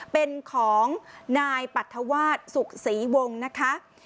เป็นของนายปรัฐวาสสุขศรีวงศ์นะคะ